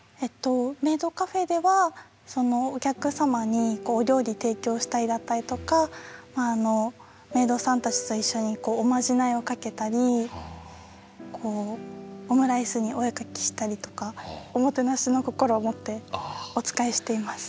メイドカフェではお客様にお料理提供したりだったりとかメイドさんたちと一緒におまじないをかけたりオムライスにお絵描きしたりとかおもてなしの心を持ってお仕えしています。